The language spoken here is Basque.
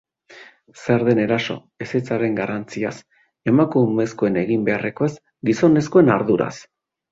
Zer den eraso, ezetzaren garrantziaz, emakumezkoen egin beharrekoez, gizonezkoen arduraz...